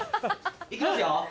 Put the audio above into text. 行きますよ